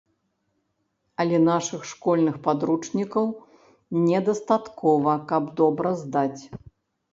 Але нашых школьных падручнікаў не дастаткова, каб добра здаць.